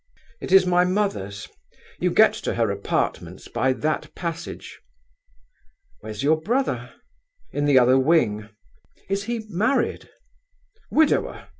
"It is my mother's. You get to her apartments by that passage." "Where's your brother?" "In the other wing." "Is he married?" "Widower.